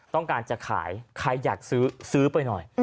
ต้องการจะขายใครอยากซื้อซื้อไปหน่อย